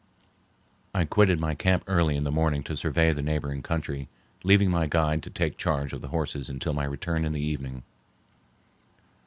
I quitted my camp early in the morning to survey the neighboring country, leaving my guide to take charge of the horses until my return in the evening.